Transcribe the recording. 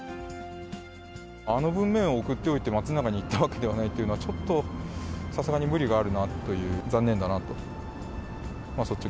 あの文面を送っておいて、松永に言ったわけではないっていうのは、ちょっとさすがに無理があるなと、残念だなと。